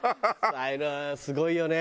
ああいうのはすごいよね